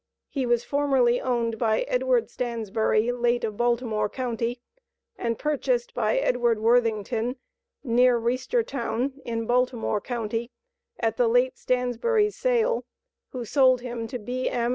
He was formerly owned by Edward Stansbury, late of Baltimore county, and purchased by Edward Worthington, near Reisterstown, in Baltimore county, at the late Stansbury's sale, who sold him to B.M.